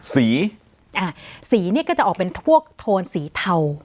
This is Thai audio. สีสีนี่ก็จะออกเป็นพวกโทนสีเทา